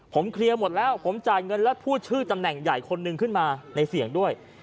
ผมเคลียร์หมดแล้วผมจ่ายเงินแล้วพูดชื่อตำแหน่งใหญ่คนหนึ่งขึ้นมาในเสียงด้วย